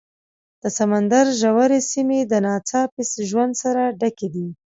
د سمندر ژورې سیمې د ناڅاپي ژوند سره ډکې دي.